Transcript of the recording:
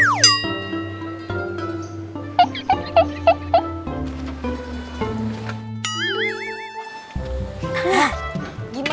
loh sobri kita nyari kakeknya tuh kemana lagi nih